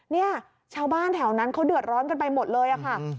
เนี่ยชาวบ้านแถวนั้นเขาเดือดร้อนกันไปหมดเลยค่ะ